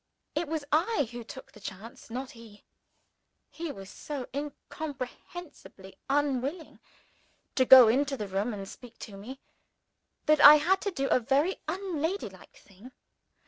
It was I who took the chance not he. He was so incomprehensibly unwilling to go into the room and speak to me, that I had to do a very unladylike thing.